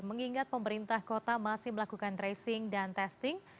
mengingat pemerintah kota masih melakukan tracing dan testing